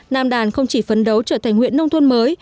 nam đàn không chỉ phấn đấu trở thành huyện nông thôn mới